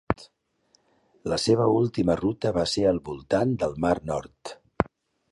La seva última ruta va ser al voltant del mar del Nord.